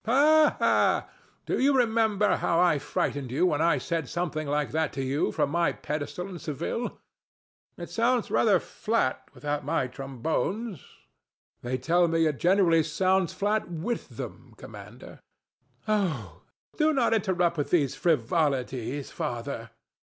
THE STATUE. Ha ha! Do you remember how I frightened you when I said something like that to you from my pedestal in Seville? It sounds rather flat without my trombones. DON JUAN. They tell me it generally sounds flat with them, Commander. ANA. Oh, do not interrupt with these frivolities, father.